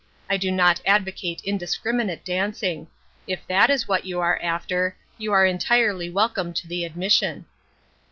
I do not advocate indiscriminate dancing ; if that is what you are after, you are entirely welcome to the admission."